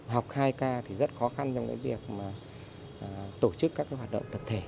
học hai k thì rất khó khăn trong việc tổ chức các hoạt động tập thể